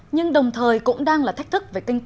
nhưng đồng thời cũng đang là thách thức của chúng ta